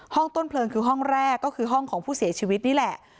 ต้นเพลิงคือห้องแรกก็คือห้องของผู้เสียชีวิตนี่แหละ